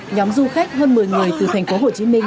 nhóm du khách hơn một mươi người từ thành phố hồ chí minh